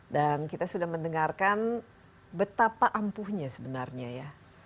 dan kita sudah mendengarkan betapa ampuhnya sebenarnya ya